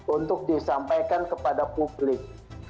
untuk disampaikan kepada publik